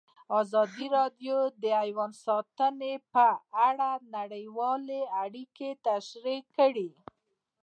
ازادي راډیو د حیوان ساتنه په اړه نړیوالې اړیکې تشریح کړي.